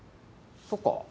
そっか。